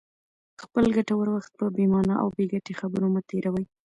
خپل ګټور وخت په بې مانا او بې ګټې خبرو مه تېروئ.